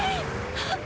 あっ